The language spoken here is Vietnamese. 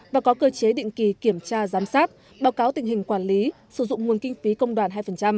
và có cơ chế định kỳ kiểm tra giám sát báo cáo tình hình quản lý sử dụng nguồn kinh phí công đoàn hai